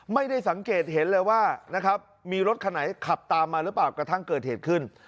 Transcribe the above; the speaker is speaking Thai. ไม่ได้สังเกตเห็นเลยว่านะครับมีรถคันไหนขับตามมาหรือเปล่ากระทั่งเกิดเหตุขึ้น